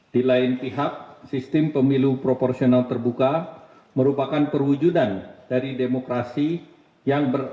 di lain pihak sistem pemilu proporsional terbuka merupakan perwujudan dari demokrasi yang berkembang